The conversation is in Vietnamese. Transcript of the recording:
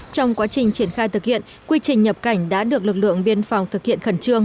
trong quá trình triển khai thực hiện quy trình nhập cảnh đã được lực lượng biên phòng thực hiện khẩn trương